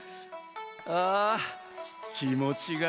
ああきもちがいいな！